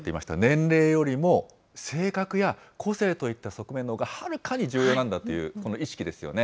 年齢よりも性格や個性といった側面のほうがはるかに重要なんだというこの意識ですよね。